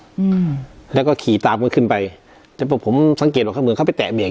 อืมแล้วก็ขี่ตามกันขึ้นไปแต่พอผมสังเกตว่าเขาเหมือนเขาไปแตะเบี่ย